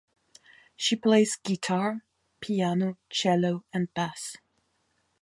She plays guitar, piano, cello, and bass.